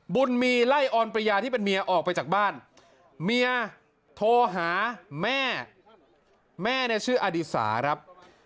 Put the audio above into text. บุญมีไล่ออนประยาที่เป็นเมียออกไปจากบ้านเมียโทรหาแม่แม่เนี่ยชื่ออดีสาครับ